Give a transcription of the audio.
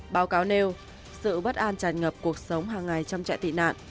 báo cáo nêu sự bất an tràn ngập cuộc sống hàng ngày trong trại tị nạn